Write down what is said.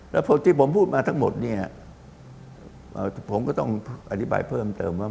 แล้วที่ผมพูดมาทั้งหมดเนี่ยผมก็ต้องอธิบายเพิ่มเติมว่า